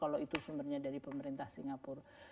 kalau itu sumbernya dari pemerintah singapura